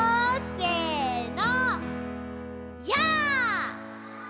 せの！